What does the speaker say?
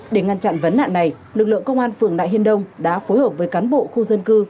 để ngăn chặn vấn nạn này lực lượng công an phường nại hiên đông đã phối hợp với cán bộ khu dân cư